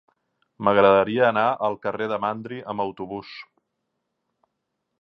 M'agradaria anar al carrer de Mandri amb autobús.